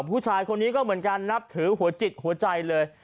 ผู้ชายคนนี้ก็เหมือนกันนับถือหัวจิตหัวใจเลย